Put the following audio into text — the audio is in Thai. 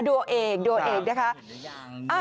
ดัวเอกดัวเอกนะคะ